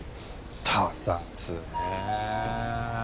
他殺ねえ。